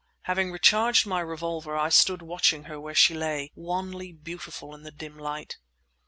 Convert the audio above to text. Having recharged my revolver, I stood watching her where she lay, wanly beautiful in the dim light.